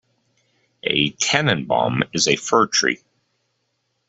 A "Tannenbaum" is a fir tree.